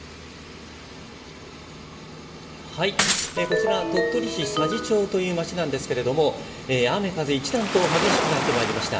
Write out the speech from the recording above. こちら鳥取市佐治町という町なんですけれども雨風、一段と激しくなってまいりました。